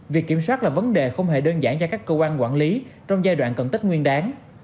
việc kiểm soát là vấn đề không hề đơn giản cho các cơ quan quản lý trong giai đoạn cần tích nguyên đáng